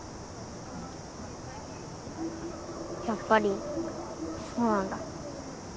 やっぱりそうなんだ。